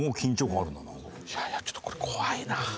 いやいやちょっとこれ怖いなー。